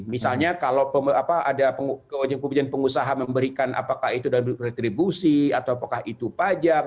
misalnya kalau ada kebijakan kebijakan pengusaha memberikan apakah itu dalam retribusi atau apakah itu pajak